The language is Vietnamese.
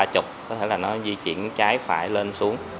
có thể là nó di chuyển chặt